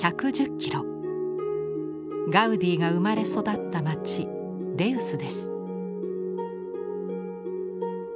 キロガウディが生まれ育った町レウスです。